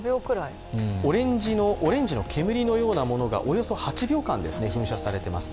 オレンジの煙のようなものがおよそ８秒間、噴射されています。